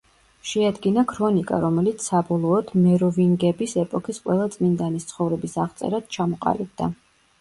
შეადგინა ქრონიკა, რომელიც, საბოლოოდ, მეროვინგების ეპოქის ყველა წმინდანის ცხოვრების აღწერად ჩამოყალიბდა.